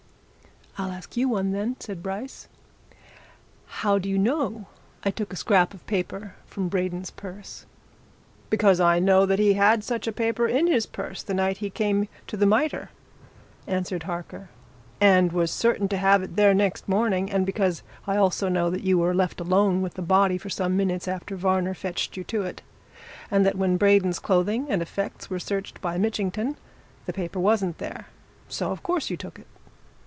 "I'll ask you one, then," said Bryce. "How do you know I took a scrap of paper from Braden's purse?" "Because I know that he had such a paper in his purse the night he came to the Mitre," answered Harker, "and was certain to have it there next morning, and because I also know that you were left alone with the body for some minutes after Varner fetched you to it, and that when Braden's clothing and effects were searched by Mitchington, the paper wasn't there. So, of course, you took it!